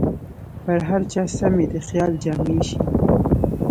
پر هر چا سمې د خیال جامې شي